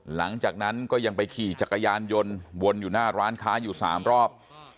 หลังจากนั้นก็ยังไปขี่จักรยานยนต์วนอยู่หน้าร้านค้าอยู่๓รอบ